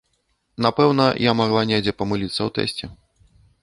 Напэўна, я магла недзе памыліцца ў тэсце.